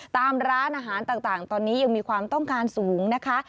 ตามร้านอาหารต่างตอนนี้ยังมีความต้องการสูงนะคะ